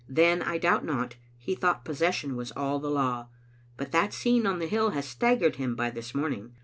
Then, I doubt not, he thought possession was all the law, but that scene on the hill has staggered him by this morning.